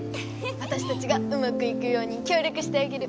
わたしたちがうまくいくようにきょう力してあげる。